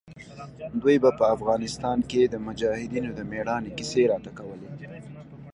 دوى به په افغانستان کښې د مجاهدينو د مېړانې کيسې راته کولې.